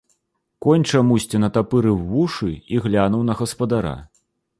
Конь чамусьці натапырыў вушы і глянуў на гаспадара.